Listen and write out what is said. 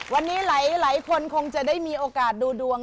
วันนี้หลายคนคงจะได้มีโอกาสดูดวง